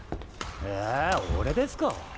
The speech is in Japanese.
え俺ですか？